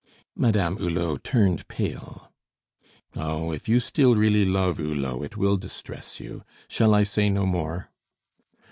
Madame Hulot turned pale. "Oh, if you still really love Hulot, it will distress you. Shall I say no more?"